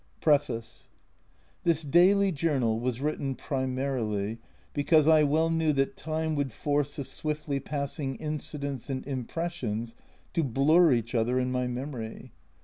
PREFACE THIS daily journal was written primarily because I well knew that time would force the swiftly passing incidents and impressions to blur each other in my memory.